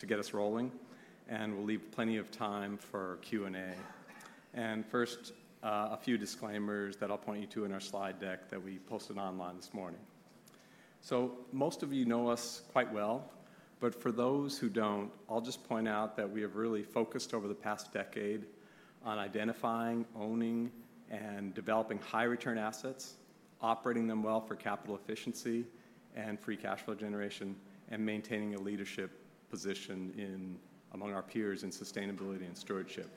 To get us rolling, and we'll leave plenty of time for Q&A. First, a few disclaimers that I'll point you to in our slide deck that we posted online this morning. Most of you know us quite well, but for those who do not, I'll just point out that we have really focused over the past decade on identifying, owning, and developing high-return assets, operating them well for capital efficiency and free cash flow generation, and maintaining a leadership position among our peers in sustainability and stewardship.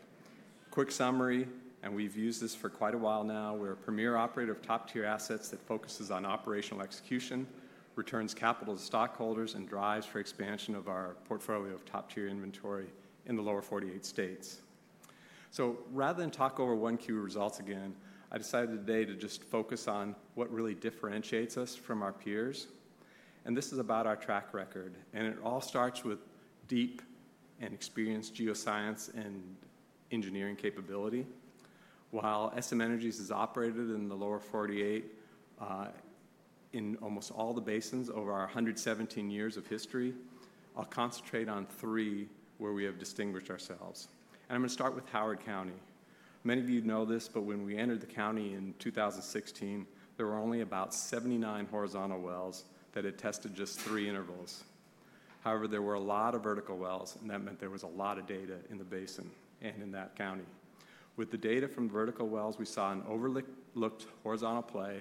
Quick summary, and we've used this for quite a while now. We're a premier operator of top-tier assets that focuses on operational execution, returns capital to stockholders, and drives for expansion of our portfolio of top-tier inventory in the lower 48 states. Rather than talk over one key result again, I decided today to just focus on what really differentiates us from our peers. This is about our track record. It all starts with deep and experienced geoscience and engineering capability. While SM Energy has operated in the lower 48 in almost all the basins over our 117 years of history, I'll concentrate on three where we have distinguished ourselves. I'm going to start with Howard County. Many of you know this, but when we entered the county in 2016, there were only about 79 horizontal wells that had tested just three intervals. However, there were a lot of vertical wells, and that meant there was a lot of data in the basin and in that county. With the data from vertical wells, we saw an overlooked horizontal play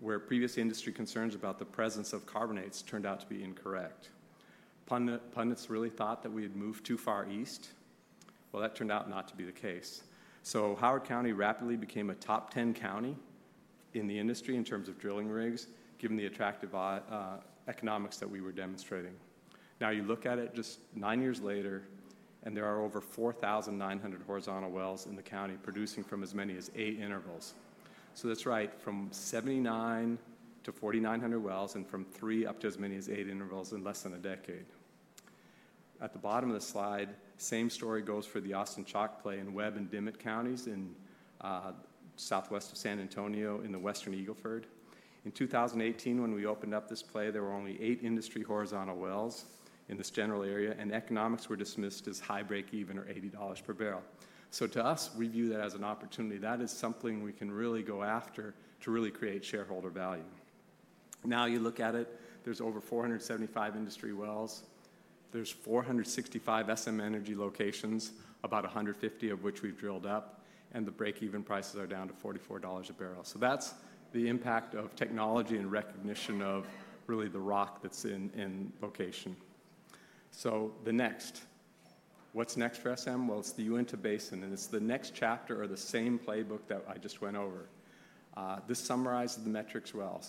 where previous industry concerns about the presence of carbonates turned out to be incorrect. Pundits really thought that we had moved too far east. That turned out not to be the case. Howard County rapidly became a top 10 county in the industry in terms of drilling rigs, given the attractive economics that we were demonstrating. Now, you look at it just nine years later, and there are over 4,900 horizontal wells in the county producing from as many as eight intervals. That is right, from 79wells-4,900 wells and from three up to as many as eight intervals in less than a decade. At the bottom of the slide, same story goes for the Austin Chalk play in Webb and Dimmitt counties in southwest of San Antonio in the western Eagle Ford. In 2018, when we opened up this play, there were only eight industry horizontal wells in this general area, and economics were dismissed as high break-even or $80 per barrel. To us, we view that as an opportunity. That is something we can really go after to really create shareholder value. Now you look at it, there are over 475 industry wells. There are 465 SM Energy locations, about 150 of which we have drilled up, and the break-even prices are down to $44 a barrel. That is the impact of technology and recognition of really the rock that is in location. The next, what is next for SM Energy? It is the Uinta Basin, and it is the next chapter of the same playbook that I just went over. This summarizes the metrics well.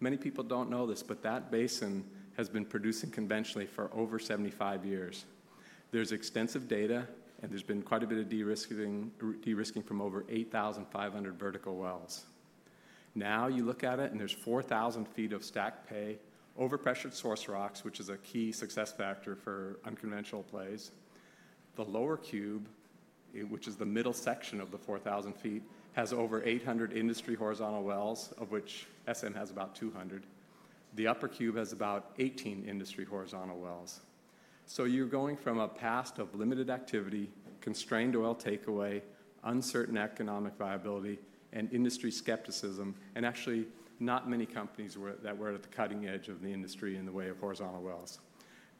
Many people do not know this, but that basin has been producing conventionally for over 75 years. There's extensive data, and there's been quite a bit of de-risking from over 8,500 vertical wells. Now you look at it, and there's 4,000 feet of stacked pay, over pressured source rocks, which is a key success factor for unconventional plays. The lower cube, which is the middle section of the 4,000 feet, has over 800 industry horizontal wells, of which SM has about 200. The upper cube has about 18 industry horizontal wells. You are going from a past of limited activity, constrained oil takeaway, uncertain economic viability, and industry skepticism, and actually not many companies that were at the cutting edge of the industry in the way of horizontal wells.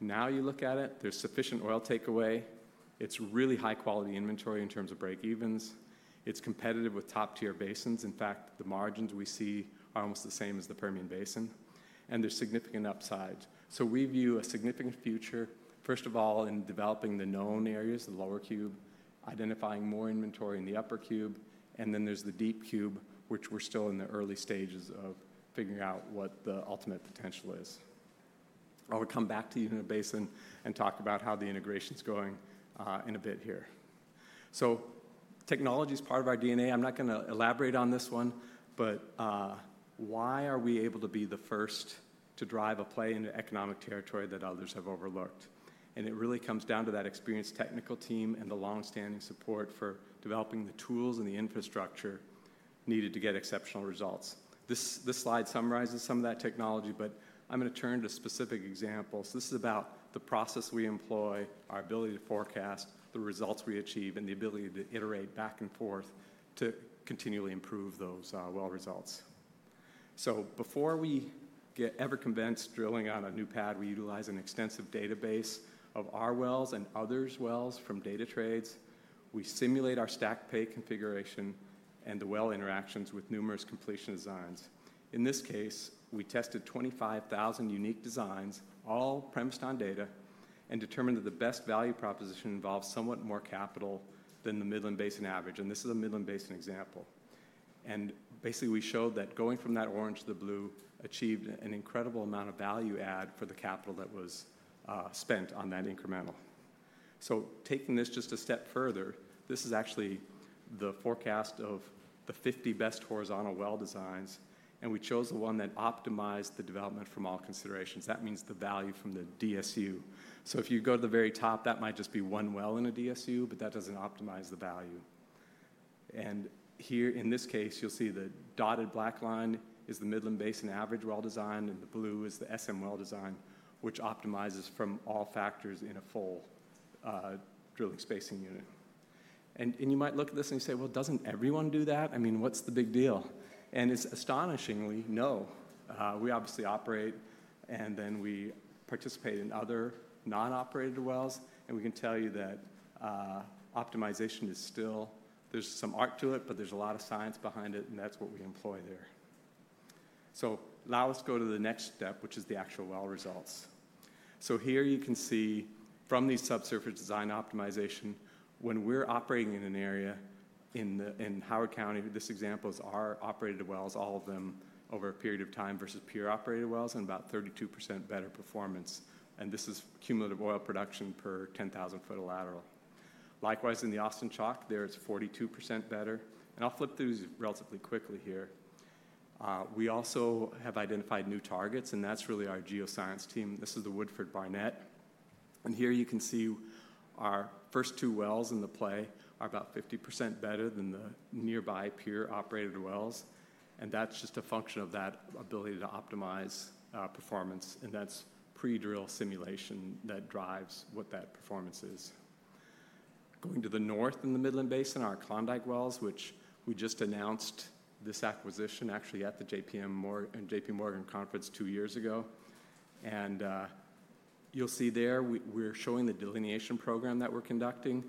Now you look at it, there's sufficient oil takeaway. It's really high-quality inventory in terms of break-evens. It's competitive with top-tier basins. In fact, the margins we see are almost the same as the Permian Basin, and there's significant upside. We view a significant future, first of all, in developing the known areas, the lower cube, identifying more inventory in the upper cube, and then there's the deep cube, which we're still in the early stages of figuring out what the ultimate potential is. I'll come back to Uinta Basin and talk about how the integration's going in a bit here. Technology is part of our DNA. I'm not going to elaborate on this one, but why are we able to be the first to drive a play into economic territory that others have overlooked? It really comes down to that experienced technical team and the longstanding support for developing the tools and the infrastructure needed to get exceptional results. This slide summarizes some of that technology, but I'm going to turn to specific examples. This is about the process we employ, our ability to forecast, the results we achieve, and the ability to iterate back and forth to continually improve those well results. Before we get ever convinced drilling on a new pad, we utilize an extensive database of our wells and others' wells from data trades. We simulate our stacked pay configuration and the well interactions with numerous completion designs. In this case, we tested 25,000 unique designs, all premised on data, and determined that the best value proposition involves somewhat more capital than the Midland Basin average. This is a Midland Basin example. Basically, we showed that going from that orange to the blue achieved an incredible amount of value add for the capital that was spent on that incremental. Taking this just a step further, this is actually the forecast of the 50 best horizontal well designs, and we chose the one that optimized the development from all considerations. That means the value from the DSU. If you go to the very top, that might just be one well in a DSU, but that does not optimize the value. In this case, you will see the dotted black line is the Midland Basin average well design, and the blue is the SM well design, which optimizes from all factors in a full drilling spacing unit. You might look at this and you say, "Well, does not everyone do that? I mean, what is the big deal?" Astonishingly, no. We obviously operate, and then we participate in other non-operated wells, and we can tell you that optimization is still, there's some art to it, but there's a lot of science behind it, and that's what we employ there. Now let's go to the next step, which is the actual well results. Here you can see from these subsurface design optimization, when we're operating in an area in Howard County, this example is our operated wells, all of them over a period of time versus pure operated wells and about 32% better performance. This is cumulative oil production per 10,000 foot of lateral. Likewise, in the Austin Chalk, there it's 42% better. I'll flip through these relatively quickly here. We also have identified new targets, and that's really our geoscience team. This is the Woodford Barnett. Here you can see our first two wells in the play are about 50% better than the nearby pure operated wells. That is just a function of that ability to optimize performance. That is pre-drill simulation that drives what that performance is. Going to the north in the Midland Basin, our Klondike wells, which we just announced this acquisition actually at the JPMorgan conference two years ago. You will see there we are showing the delineation program that we are conducting.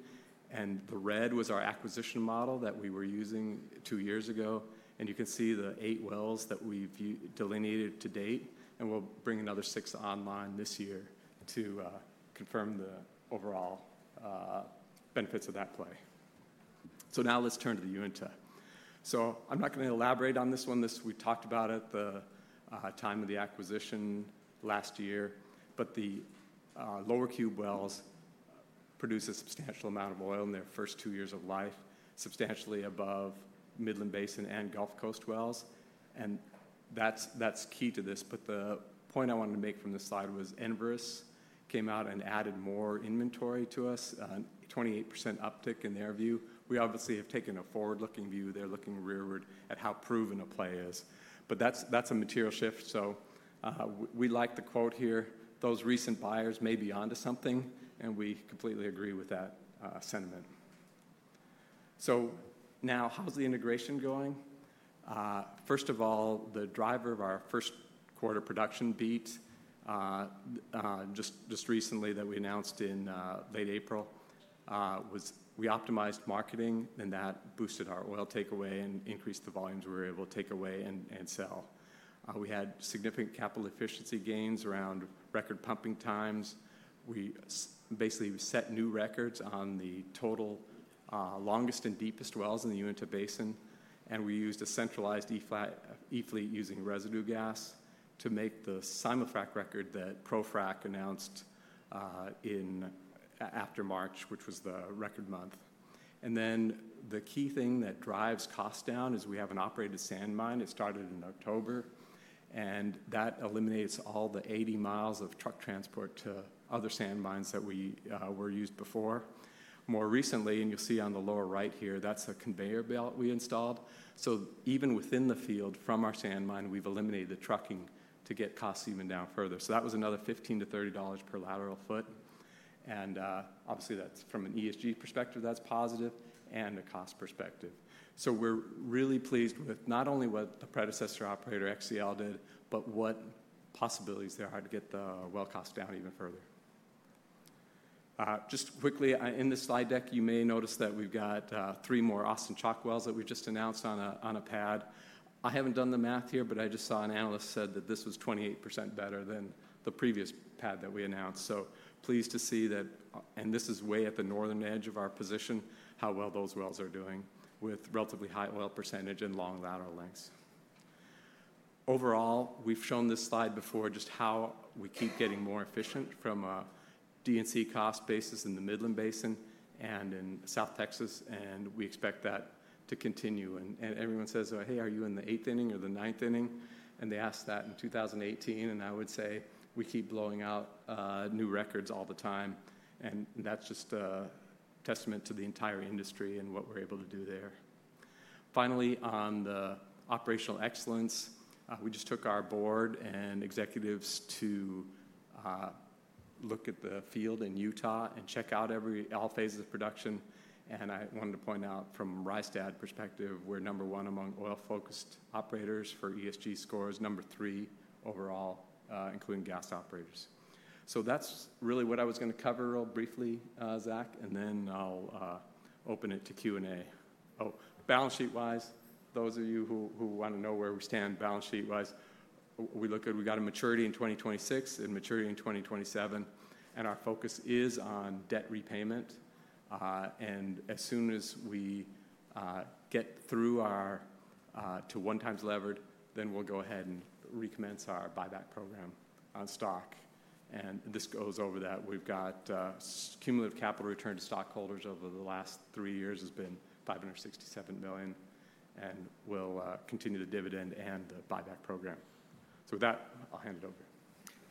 The red was our acquisition model that we were using two years ago. You can see the eight wells that we have delineated to date. We will bring another six online this year to confirm the overall benefits of that play. Now let us turn to the Uinta. I am not going to elaborate on this one. We talked about it at the time of the acquisition last year, but the lower cube wells produce a substantial amount of oil in their first two years of life, substantially above Midland Basin and Gulf Coast wells. That is key to this. The point I wanted to make from this slide was Enverus came out and added more inventory to us, a 28% uptick in their view. We obviously have taken a forward-looking view. They are looking rearward at how proven a play is. That is a material shift. We like the quote here, "Those recent buyers may be onto something," and we completely agree with that sentiment. Now, how is the integration going? First of all, the driver of our first quarter production beat just recently that we announced in late April was we optimized marketing, and that boosted our oil takeaway and increased the volumes we were able to take away and sell. We had significant capital efficiency gains around record pumping times. We basically set new records on the total longest and deepest wells in the Uinta Basin. We used a centralized e-fleet using residue gas to make the Simulfrac record that ProFrac announced after March, which was the record month. The key thing that drives cost down is we have an operated sand mine. It started in October, and that eliminates all the 80 mines of truck transport to other sand mines that were used before. More recently, and you'll see on the lower right here, that's a conveyor belt we installed. Even within the field from our sand mine, we've eliminated the trucking to get costs even down further. That was another $15-$30 per lateral foot. Obviously, from an ESG perspective, that's positive and a cost perspective. We're really pleased with not only what the predecessor operator, XCL, did, but what possibilities there are to get the well cost down even further. Just quickly, in the slide deck, you may notice that we've got three more Austin Chalk wells that we've just announced on a pad. I haven't done the math here, but I just saw an analyst said that this was 28% better than the previous pad that we announced. Pleased to see that, and this is way at the northern edge of our position, how well those wells are doing with relatively high oil percentage and long lateral lengths. Overall, we've shown this slide before just how we keep getting more efficient from a D&C cost basis in the Midland Basin and in South Texas, and we expect that to continue. Everyone says, "Hey, are you in the eighth inning or the ninth inning?" They asked that in 2018, and I would say we keep blowing out new records all the time. That is just a testament to the entire industry and what we're able to do there. Finally, on the operational excellence, we just took our board and executives to look at the field in Utah and check out all phases of production. I wanted to point out from Rystad perspective, we're number one among oil-focused operators for ESG scores, number three overall, including gas operators. That is really what I was going to cover real briefly, Zack, and then I'll open it to Q&A. Oh, balance sheet-wise, those of you who want to know where we stand balance sheet-wise, we look at we got a maturity in 2026 and maturity in 2027, and our focus is on debt repayment. As soon as we get through our two times levered, then we'll go ahead and recommence our buyback program on stock. This goes over that. We've got cumulative capital return to stockholders over the last three years has been $567 million, and we'll continue the dividend and the buyback program. With that, I'll hand it over.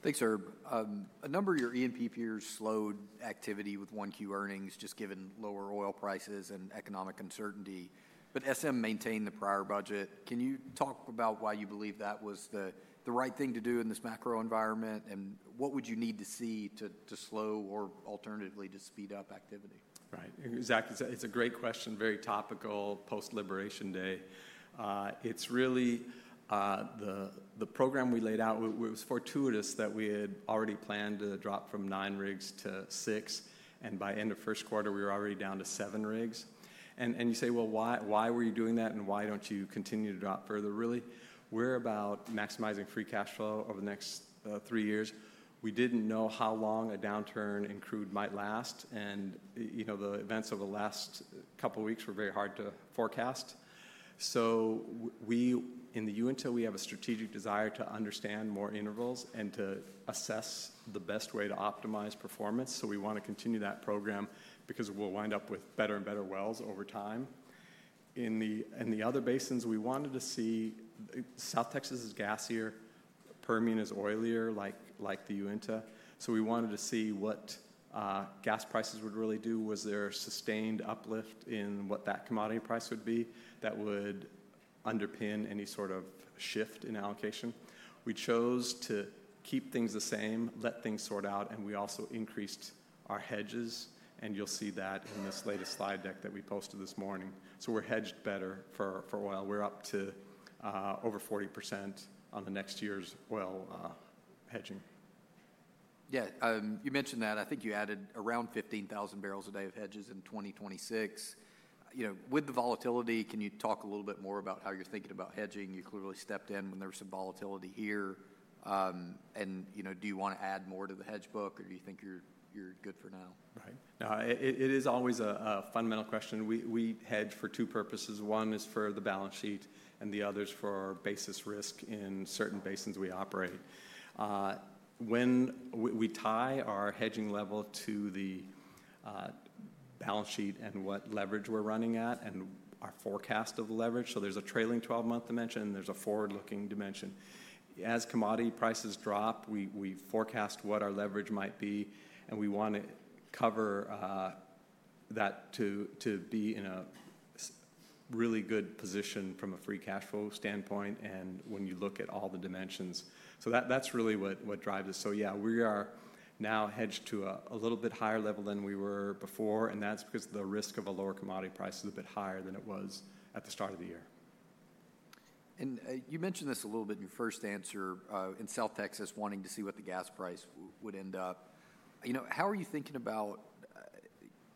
Thanks, Herb. A number of your E&P peers slowed activity with Q1 earnings just given lower oil prices and economic uncertainty, but SM maintained the prior budget. Can you talk about why you believe that was the right thing to do in this macro environment, and what would you need to see to slow or alternatively to speed up activity? Right. Zack, it's a great question, very topical, post-liberation day. It's really the program we laid out, it was fortuitous that we had already planned to drop from nine rigs to six rigs, and by end of first quarter, we were already down to seven rigs. You say, "Well, why were you doing that, and why don't you continue to drop further?" Really, we're about maximizing free cash flow over the next three years. We didn't know how long a downturn in crude might last, and the events of the last couple of weeks were very hard to forecast. In the Uinta, we have a strategic desire to understand more intervals and to assess the best way to optimize performance. We want to continue that program because we'll wind up with better and better wells over time. In the other basins, we wanted to see South Texas is gassier, Permian is oilier like the Uinta. We wanted to see what gas prices would really do. Was there a sustained uplift in what that commodity price would be that would underpin any sort of shift in allocation? We chose to keep things the same, let things sort out, and we also increased our hedges, and you'll see that in this latest slide deck that we posted this morning. We're hedged better for oil. We're up to over 40% on the next year's oil hedging. Yeah, you mentioned that. I think you added around 15,000 barrels a day of hedges in 2026. With the volatility, can you talk a little bit more about how you're thinking about hedging? You clearly stepped in when there was some volatility here. Do you want to add more to the hedge book, or do you think you're good for now? Right. No, it is always a fundamental question. We hedge for two purposes. One is for the balance sheet, and the other is for our basis risk in certain basins we operate. When we tie our hedging level to the balance sheet and what leverage we're running at and our forecast of the leverage, there is a trailing 12-month dimension, and there is a forward-looking dimension. As commodity prices drop, we forecast what our leverage might be, and we want to cover that to be in a really good position from a free cash flow standpoint. When you look at all the dimensions, that is really what drives us. Yeah, we are now hedged to a little bit higher level than we were before, and that is because the risk of a lower commodity price is a bit higher than it was at the start of the year. You mentioned this a little bit in your first answer in South Texas wanting to see what the gas price would end up. How are you thinking about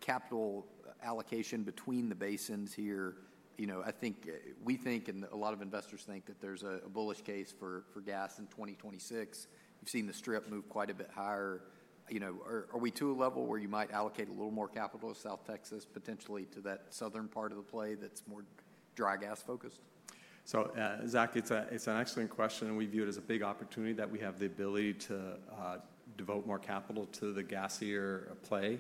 capital allocation between the basins here? I think we think, and a lot of investors think, that there is a bullish case for gas in 2026. You have seen the strip move quite a bit higher. Are we to a level where you might allocate a little more capital to South Texas, potentially to that southern part of the play that's more dry gas focused? Zack, it's an excellent question, and we view it as a big opportunity that we have the ability to devote more capital to the gassier play.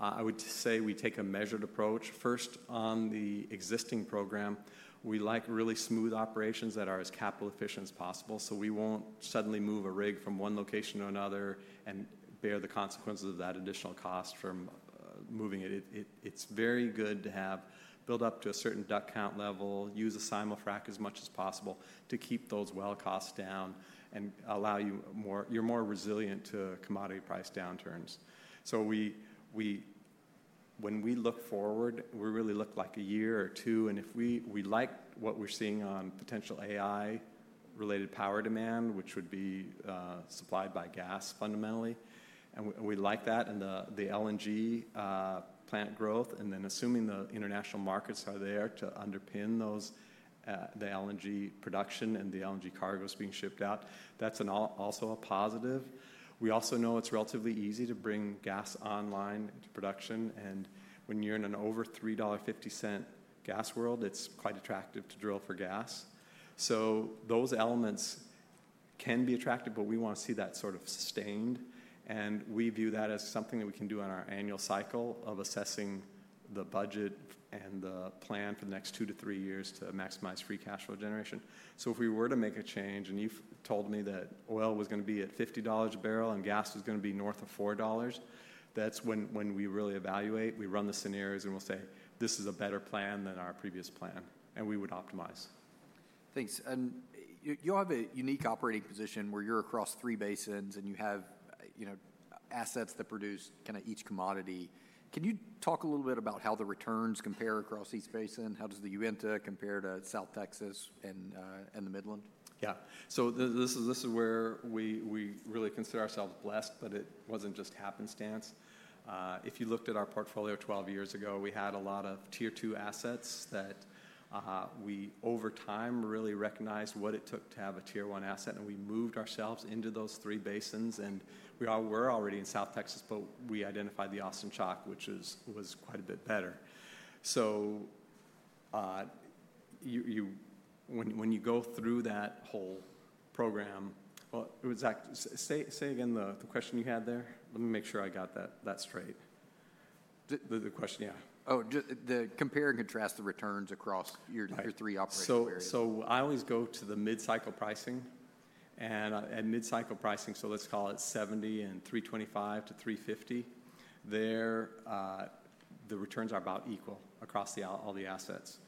I would say we take a measured approach. First, on the existing program, we like really smooth operations that are as capital efficient as possible. We will not suddenly move a rig from one location to another and bear the consequences of that additional cost from moving it. It's very good to have built up to a certain duck count level, use a simulfrac as much as possible to keep those well costs down and allow you, you're more resilient to commodity price downturns. When we look forward, we really look like a year or year two, and we like what we're seeing on potential AI-related power demand, which would be supplied by gas fundamentally. We like that and the LNG plant growth. Assuming the international markets are there to underpin the LNG production and the LNG cargoes being shipped out, that's also a positive. We also know it's relatively easy to bring gas online to production. When you're in an over $3.50 gas world, it's quite attractive to drill for gas. Those elements can be attractive, but we want to see that sort of sustained. We view that as something that we can do on our annual cycle of assessing the budget and the plan for the next two to three years to maximize free cash flow generation. If we were to make a change and you told me that oil was going to be at $50 a barrel and gas was going to be north of $4, that's when we really evaluate. We run the scenarios and we'll say, "This is a better plan than our previous plan," and we would optimize. Thanks. You have a unique operating position where you're across three basins and you have assets that produce kind of each commodity. Can you talk a little bit about how the returns compare across each basin? How does the Uinta compare to South Texas and the Midland? Yeah. This is where we really consider ourselves blessed, but it wasn't just happenstance. If you looked at our portfolio 12 years ago, we had a lot of tier two assets that we over time really recognized what it took to have a tier one asset, and we moved ourselves into those three basins. We were already in South Texas, but we identified the Austin Chalk, which was quite a bit better. When you go through that whole program, Zack, say again the question you had there. Let me make sure I got that straight. The question, yeah. Oh, the compare and contrast the returns across your three operating areas? I always go to the mid-cycle pricing, and mid-cycle pricing, so let's call it $70 and $3.25-$3.50, there the returns are about equal across all the assets.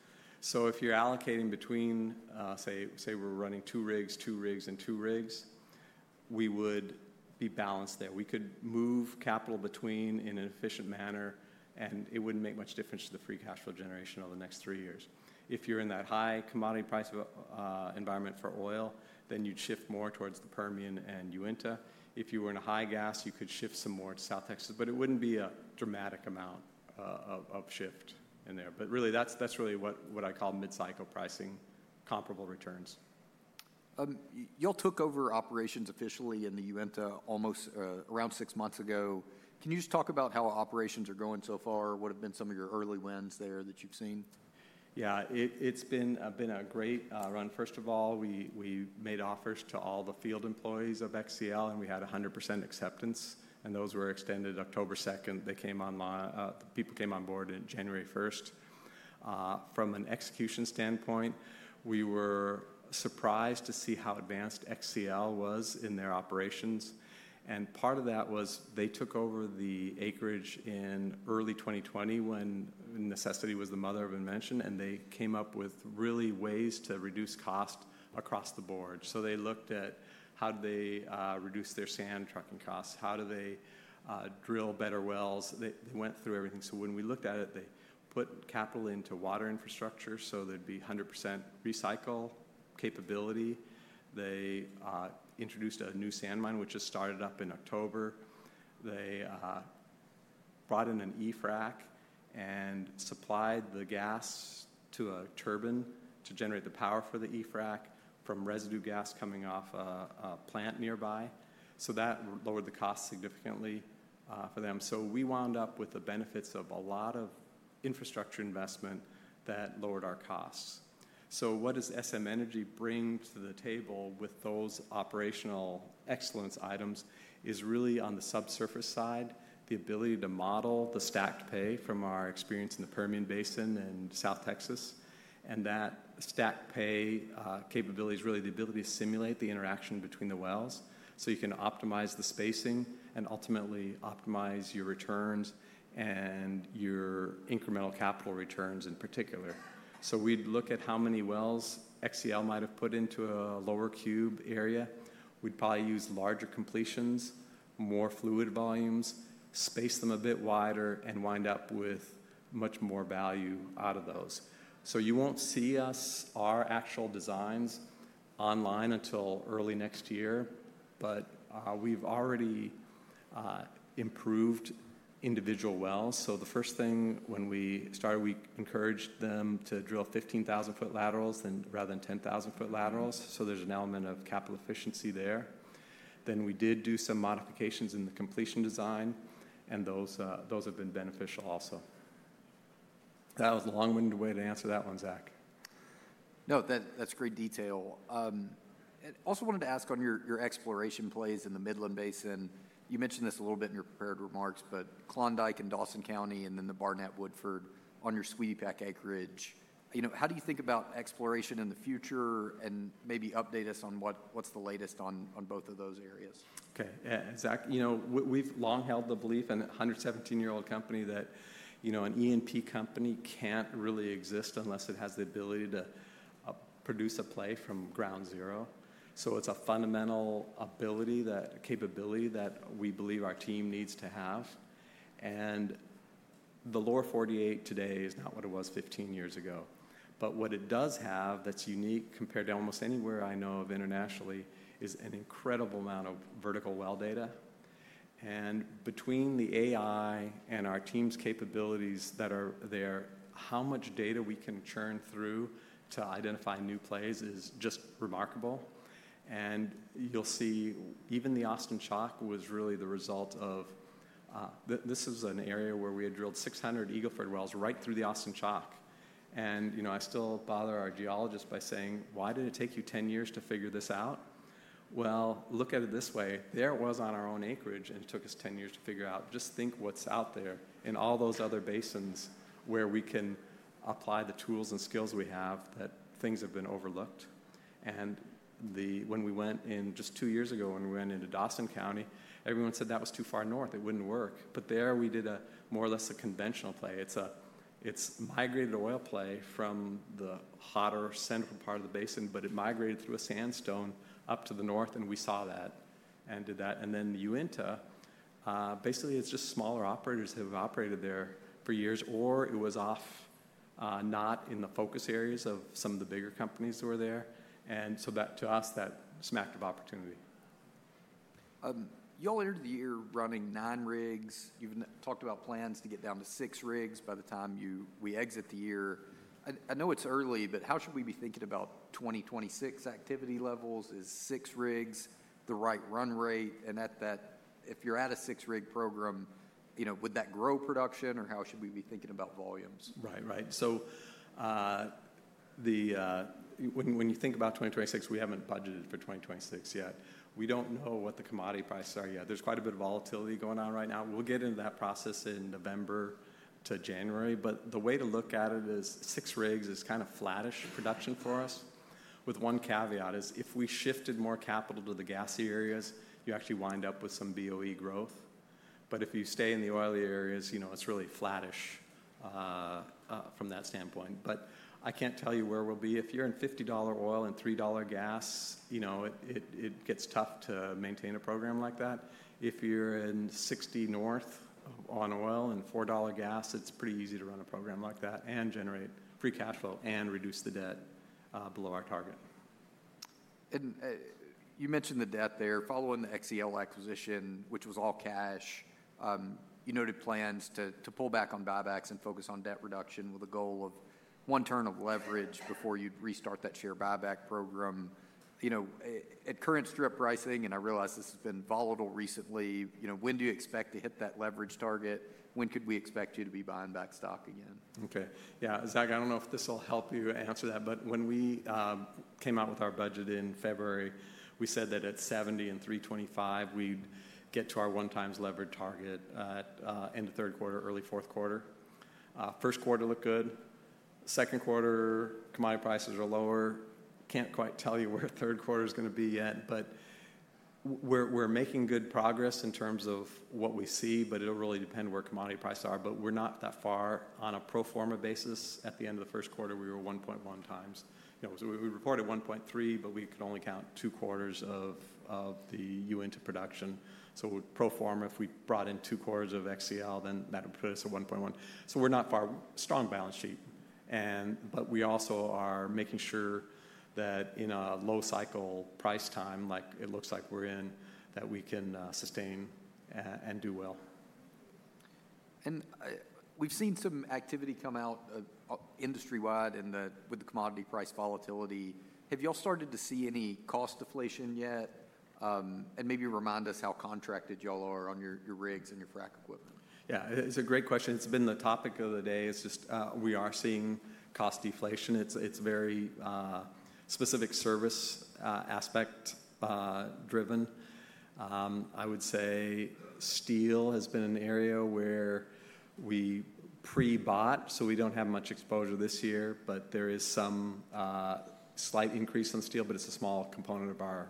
If you're allocating between, say, we're running two rigs, two rigs, and two rigs, we would be balanced there. We could move capital between in an efficient manner, and it would not make much difference to the free cash flow generation over the next three years. If you are in that high commodity price environment for oil, then you would shift more towards the Permian and Uinta. If you were in a high gas, you could shift some more to South Texas, but it would not be a dramatic amount of shift in there. That is really what I call mid-cycle pricing, comparable returns. Y'all took over operations officially in the Uinta almost around six months ago. Can you just talk about how operations are going so far? What have been some of your early wins there that you have seen? Yeah, it has been a great run. First of all, we made offers to all the field employees of XCL, and we had 100% acceptance, and those were extended October 2nd. They came online. People came on board on January 1st. From an execution standpoint, we were surprised to see how advanced XCL was in their operations. Part of that was they took over the acreage in early 2020 when necessity was the mother of invention, and they came up with really ways to reduce cost across the board. They looked at how do they reduce their sand trucking costs, how do they drill better wells. They went through everything. When we looked at it, they put capital into water infrastructure so there would be 100% recycle capability. They introduced a new sand mine, which just started up in October. They brought in an EFRAC and supplied the gas to a turbine to generate the power for the EFRAC from residue gas coming off a plant nearby. That lowered the cost significantly for them. We wound up with the benefits of a lot of infrastructure investment that lowered our costs. What SM Energy brings to the table with those operational excellence items is really on the subsurface side, the ability to model the stacked pay from our experience in the Permian Basin and South Texas. That stacked pay capability is really the ability to simulate the interaction between the wells. You can optimize the spacing and ultimately optimize your returns and your incremental capital returns in particular. We look at how many wells XCL might have put into a lower cube area. We would probably use larger completions, more fluid volumes, space them a bit wider, and wind up with much more value out of those. You will not see our actual designs online until early next year, but we have already improved individual wells. The first thing when we started, we encouraged them to drill 15,000-foot laterals rather than 10,000-foot laterals. There is an element of capital efficiency there. We did do some modifications in the completion design, and those have been beneficial also. That was a long-winded way to answer that one, Zack. No, that is great detail. I also wanted to ask on your exploration plays in the Midland Basin. You mentioned this a little bit in your prepared remarks, but Klondike and Dawson County, and then the Barnett Woodford on your Sweetie Pack acreage. How do you think about exploration in the future and maybe update us on what is the latest on both of those areas? Okay. Zack, we have long held the belief in a 117-year-old company that an E&P company cannot really exist unless it has the ability to produce a play from ground zero. It is a fundamental ability, a capability that we believe our team needs to have. The lower 48 today is not what it was 15 years ago. What it does have that is unique compared to almost anywhere I know of internationally is an incredible amount of vertical well data. Between the AI and our team's capabilities that are there, how much data we can churn through to identify new plays is just remarkable. You will see even the Austin Chalk was really the result of this. This is an area where we had drilled 600 Eagle Ford wells right through the Austin Chalk. I still bother our geologists by saying, "Why did it take you 10 years to figure this out?" Look at it this way. There it was on our own acreage, and it took us 10 years to figure out. Just think what's out there in all those other basins where we can apply the tools and skills we have that things have been overlooked. When we went in just two years ago, when we went into Dawson County, everyone said that was too far north. It wouldn't work. There we did more or less a conventional play. It's a migrated oil play from the hotter central part of the basin, but it migrated through a sandstone up to the north, and we saw that and did that. In the Uinta, basically, it's just smaller operators who have operated there for years, or it was off, not in the focus areas of some of the bigger companies that were there. To us, that smacked of opportunity. Y'all entered the year running nine rigs. You've talked about plans to get down to six rigs by the time we exit the year. I know it's early, but how should we be thinking about 2026 activity levels? Is six rigs the right run rate? If you're at a six-rig program, would that grow production, or how should we be thinking about volumes? Right, right. When you think about 2026, we haven't budgeted for 2026 yet. We don't know what the commodity prices are yet. There's quite a bit of volatility going on right now. We'll get into that process in November to January. The way to look at it is six rigs is kind of flattish production for us. One caveat is if we shifted more capital to the gassy areas, you actually wind up with some BOE growth. If you stay in the oily areas, it's really flattish from that standpoint. I can't tell you where we'll be. If you're in $50 oil and $3 gas, it gets tough to maintain a program like that. If you're in $60 north on oil and $4 gas, it's pretty easy to run a program like that and generate free cash flow and reduce the debt below our target. You mentioned the debt there. Following the XCL acquisition, which was all cash, you noted plans to pull back on buybacks and focus on debt reduction with a goal of one turn of leverage before you'd restart that share buyback program. At current strip pricing, and I realize this has been volatile recently, when do you expect to hit that leverage target? When could we expect you to be buying back stock again? Okay. Yeah. Zack, I don't know if this will help you answer that, but when we came out with our budget in February, we said that at $70 and $3.25, we'd get to our one-time leverage target at end of third quarter, early fourth quarter. First quarter looked good. Second quarter, commodity prices are lower. Can't quite tell you where third quarter is going to be yet, but we're making good progress in terms of what we see, but it'll really depend where commodity prices are. We're not that far on a pro forma basis. At the end of the first quarter, we were 1.1 times. We reported 1.3, but we could only count two quarters of the Uinta production. Pro forma, if we brought in two quarters of XCL, then that would put us at 1.1. We're not far. Strong balance sheet. We also are making sure that in a low cycle price time, like it looks like we're in, that we can sustain and do well. We've seen some activity come out industry-wide with the commodity price volatility. Have y'all started to see any cost deflation yet? Maybe remind us how contracted y'all are on your rigs and your frac equipment? Yeah, it's a great question. It's been the topic of the day. We are seeing cost deflation. It's very specific service aspect driven. I would say steel has been an area where we pre-bought, so we don't have much exposure this year, but there is some slight increase on steel, but it's a small component of our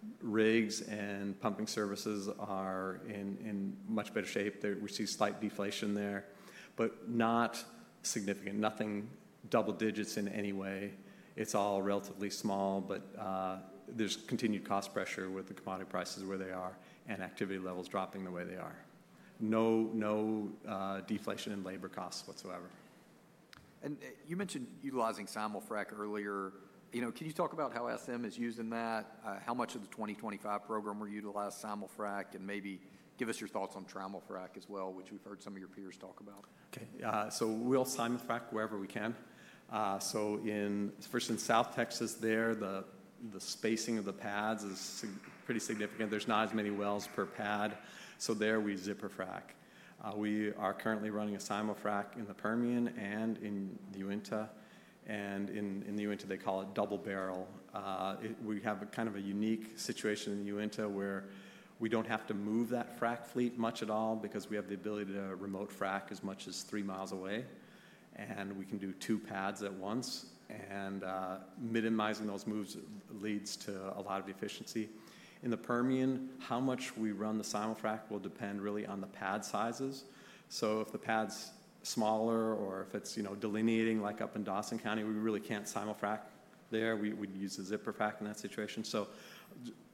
cost. Rigs and pumping services are in much better shape. We see slight deflation there, but not significant. Nothing double digits in any way. It's all relatively small, but there's continued cost pressure with the commodity prices where they are and activity levels dropping the way they are. No deflation in labor costs whatsoever. You mentioned utilizing Simulfrac earlier. Can you talk about how SM is using that? How much of the 2025 program will utilize Simulfrac? Maybe give us your thoughts on Trammel Frac as well, which we've heard some of your peers talk about. Okay. We will Simulfrac wherever we can. First, in South Texas, the spacing of the pads is pretty significant. There's not as many wells per pad. There, we zipper frac. We are currently running a Simulfrac in the Permian and in the Uinta. In the Uinta, they call it double barrel. We have kind of a unique situation in the Uinta where we don't have to move that frac fleet much at all because we have the ability to remote frac as much as three miles away. We can do two pads at once. Minimizing those moves leads to a lot of efficiency. In the Permian, how much we run the Simulfrac will depend really on the pad sizes. If the pad's smaller or if it's delineating like up in Dawson County, we really can't Simulfrac there. We'd use a Zipper Frac in that situation.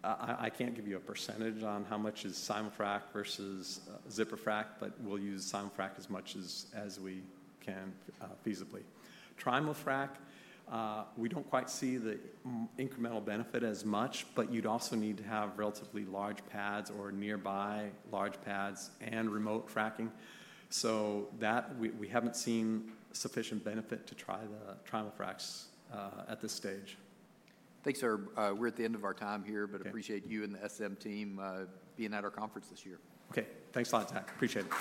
I can't give you a percentage on how much is Simulfrac versus zipper frac, but we'll use Simulfrac as much as we can feasibly. Trammel Frac, we do not quite see the incremental benefit as much, but you would also need to have relatively large pads or nearby large pads and remote fracking. We have not seen sufficient benefit to try the Zipper Frac at this stage. Thanks, sir. We are at the end of our time here, but appreciate you and the SM team being at our conference this year. Okay. Thanks a lot, Zack. Appreciate it.